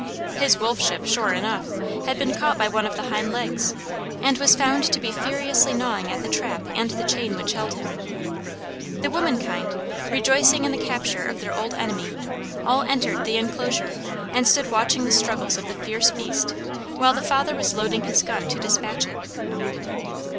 His wolfship, sure enough, had been caught by one of his hind legs, and was found to be furiously gnawing at the trap and the chain which held him. The womenkind, rejoicing in the capture of their old enemy, all entered the enclosure and stood watching the struggles of the fierce beast, while the father was loading his gun to dispatch it.